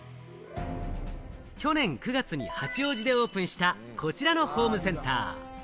去年９月に八王子でオープンしたこちらのホームセンター。